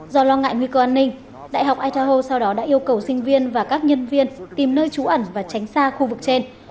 do lo ngại nguy cơ an ninh đại học ita ho sau đó đã yêu cầu sinh viên và các nhân viên tìm nơi trú ẩn và tránh xa khu vực trên